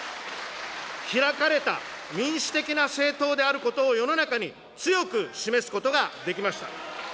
開かれた民主的な政党であることを世の中に強く示すことができました。